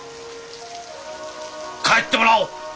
帰ってもらおう！